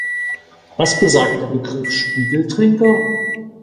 Was besagt der Begriff Spiegeltrinker?